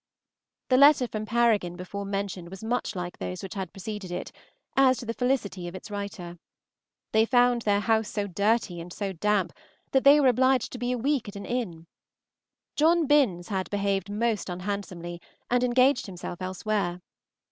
The letter from Paragon before mentioned was much like those which had preceded it, as to the felicity of its writer. They found their house so dirty and so damp that they were obliged to be a week at an inn. John Binns had behaved most unhandsomely, and engaged himself elsewhere.